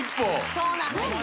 そうなんですよ